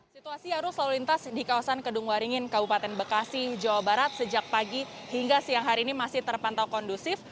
situasi arus lalu lintas di kawasan kedung waringin kabupaten bekasi jawa barat sejak pagi hingga siang hari ini masih terpantau kondusif